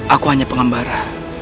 aku hanya pengambara